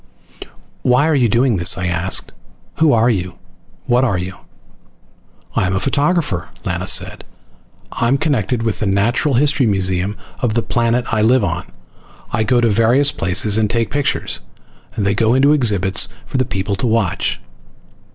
"Why are you doing this?" I asked. "Who are you? What are you?" "I'm a photographer!" Lana said. "I'm connected with the natural history museum of the planet I live on. I go to various places and take pictures, and they go into exhibits for the people to watch."